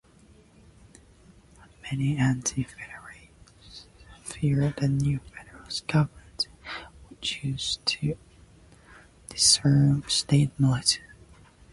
Many Anti-federalists feared the new federal government would choose to disarm state militias.